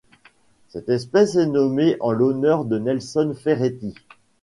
Cette espèce est nommée en l'honneur de Nelson Ferretti.